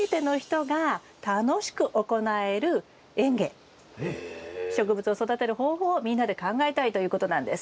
例えば植物を育てる方法をみんなで考えたいということなんです。